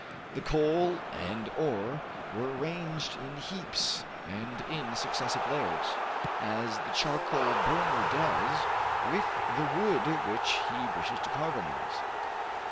Then coal and ore were arranged in heaps and in successive layers, as the charcoal burner does with the wood which he wishes to carbonize.